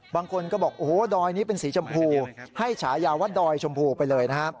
บางคนก็บอกโอ้โหดอยนี้เป็นสีชมพูให้ฉายาว่าดอยชมพูไปเลยนะฮะ